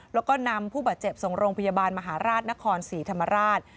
แล้วก็นำผู้บาดเจ็บส่งโรงพยาบาลมหาราชนครศรีธรรมราช